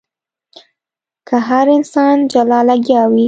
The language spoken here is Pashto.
که هر انسان جلا لګيا وي.